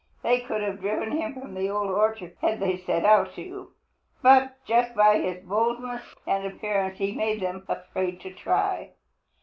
They could have driven him from the Old Orchard had they set out to, but just by his boldness and appearance he made them afraid to try.